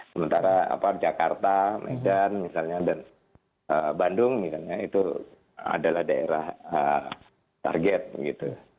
sementara jakarta medan misalnya dan bandung misalnya itu adalah daerah target gitu